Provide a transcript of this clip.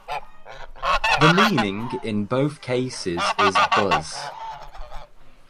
The meaning in both cases is "buzz".